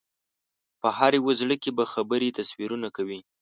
په هر یو زړه کې به خبرې تصویرونه کوي